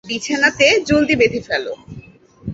বিছানাতে জলদি বেঁধে ফেল।